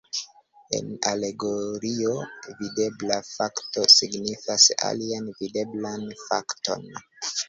En alegorio, videbla fakto signifas alian videblan fakton.